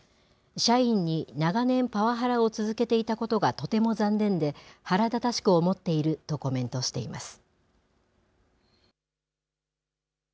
社員に長年パワハラを続けていたことがとても残念で、腹立たしく思っているとコメントしています。